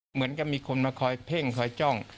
เหมือนกับมีคนมาคอยเพ่งคอยจ้อง